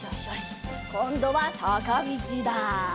こんどはさかみちだ！